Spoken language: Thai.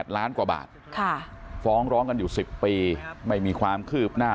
ล้านกว่าบาทฟ้องร้องกันอยู่๑๐ปีไม่มีความคืบหน้า